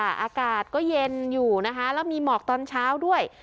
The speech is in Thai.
อากาศก็เย็นอยู่นะคะแล้วมีหมอกตอนเช้าด้วย